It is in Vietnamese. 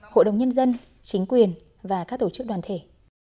hội đồng nhân dân chính quyền và các tổ chức đoàn thể